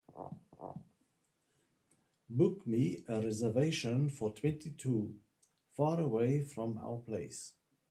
Book me a reservation for twenty two faraway from our place